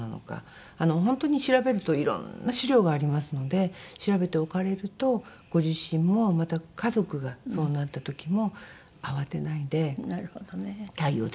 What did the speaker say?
本当に調べるといろんな資料がありますので調べておかれるとご自身もまた家族がそうなった時も慌てないで対応できると思います。